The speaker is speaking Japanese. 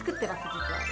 実は。